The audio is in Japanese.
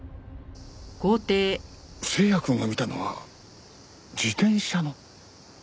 星也くんが見たのは自転車の？